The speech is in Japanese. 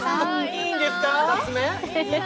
いいんですか？